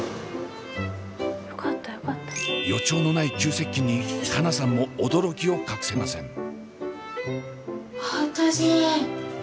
予兆のない急接近に佳奈さんも驚きを隠せません。